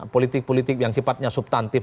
politik politik yang sifatnya subtantif